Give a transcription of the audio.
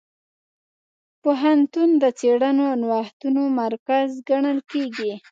پوهنتون د څېړنو او نوښتونو مرکز ګڼل کېږي.